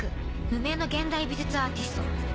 無名の現代美術アーティスト。